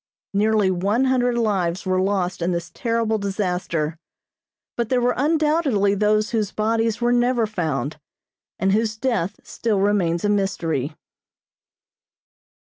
Nearly one hundred lives were lost in this terrible disaster, but there were undoubtedly those whose bodies were never found, and whose death still remains a mystery.